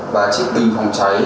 và checklist phòng cháy